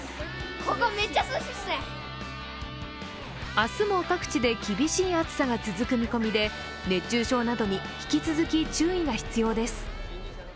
明日も各地で厳しい暑さが続く見込みで、熱中症などに引き続き注意が必要です。